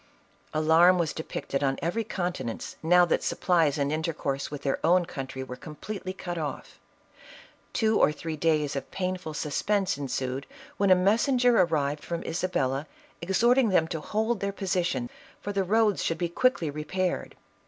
Alarm was depicted on every countenance, now that supplies and intercourse with their own country were completely cut off. Two or three days of painful sus pense ensued, when a messenger arrived from Isabella, exhorting them to hold their position, for the roads should be quickly repaired.